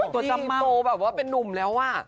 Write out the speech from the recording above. ตัวจำโตแบบว่าเป็นนุ่มแล้วอ่ะ